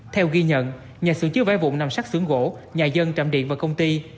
theo ghi nhận nhà xưởng chứa vải vụng nằm sát xưởng gỗ nhà dân trạm điện và công ty